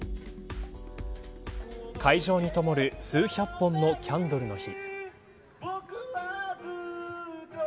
会場にともる数百本のキャンドルの火。